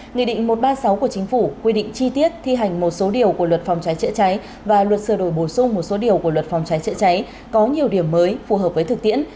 nghị định một trăm ba mươi sáu của chính phủ quy định chi tiết thi hành một số điều của luật phòng cháy chữa cháy và luật sửa đổi bổ sung một số điều của luật phòng cháy chữa cháy có nhiều điểm mới phù hợp với thực tiễn